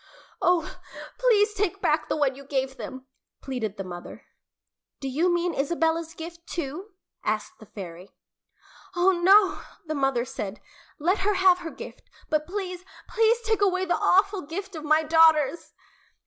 "Oh, please take back the one you gave them," pleaded the mother. "Do you mean Isabella's gift, too?" asked the fairy. "Oh, no," the mother said. "Let her have her gift but please, please take away the awful gift of my daughters!"